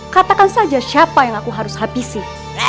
katakan saja siapa yang aku harus habisi